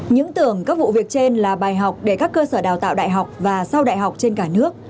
những tưởng các vụ việc trên là bài học để các cơ sở đào tạo đại học và sau đại học trên cả nước